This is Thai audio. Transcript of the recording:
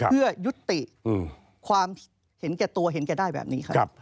เพื่อยุติความเห็นแก่ตัวเห็นแกได้แบบนี้ครับ